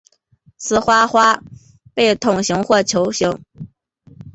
雌花花被筒形或球形。